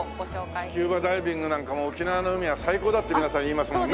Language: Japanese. スキューバダイビングなんかも沖縄の海は最高だって皆さん言いますもんね。